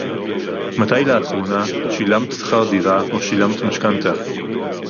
מתי לאחרונה שילמת שכר דירה או שילמת משכנתה